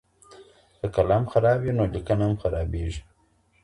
که قلم خراب وي نو لیکنه هم خرابیږي.